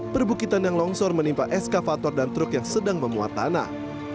perbukitan yang longsor menimpa eskavator dan truk yang sedang memuat tanah